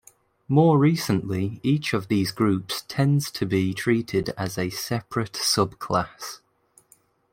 More recently each of these groups tends to be treated as a separate subclass.